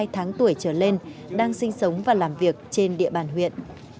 hai tháng tuổi trở lên đang sinh sống và làm việc trên địa bàn huyện